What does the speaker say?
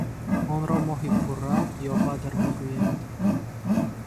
Онро Моҳи пурра ё бадр мегӯянд.